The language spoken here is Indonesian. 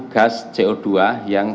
gas co dua yang